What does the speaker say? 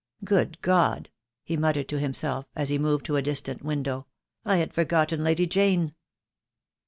"Good God," he muttered to himself, as he moved to a distant window, "I had forgotten Lady Jane."